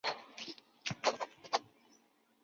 之后升山东按察使。